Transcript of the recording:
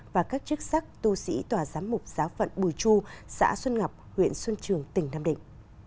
và các chức sắc tu sĩ tòa giám mục giáo phận bùi chu xã xuân ngọc huyện xuân trường tỉnh nam định